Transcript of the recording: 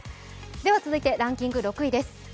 続いてランキング６位です。